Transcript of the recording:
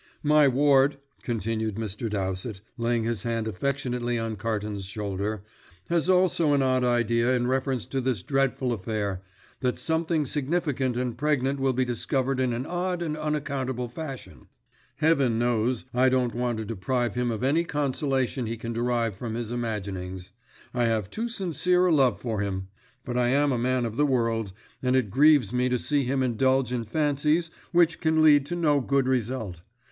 "My ward," continued Mr. Dowsett, laying his hand affectionately on Carton's shoulder, "has also an odd idea in reference to this dreadful affair, that something significant and pregnant will be discovered in an odd and unaccountable fashion. Heaven knows, I don't want to deprive him of any consolation he can derive from his imaginings. I have too sincere a love for him; but I am a man of the world, and it grieves me to see him indulge in fancies which can lead to no good result.